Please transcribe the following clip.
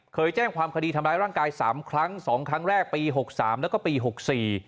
เคยแจ้งความคดีทำร้ายร่างกาย๓ครั้ง๒ครั้งแรกปี๖๓แล้วก็ปี๖๔